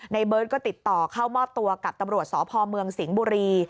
เบิร์ตก็ติดต่อเข้ามอบตัวกับตำรวจสพเมืองสิงห์บุรี